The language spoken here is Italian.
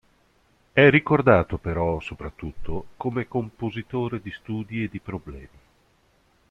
È ricordato però soprattutto come compositore di studi e di problemi.